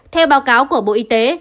theo báo cáo của bộ y tế